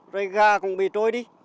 rơi gà cũng bị trôi đi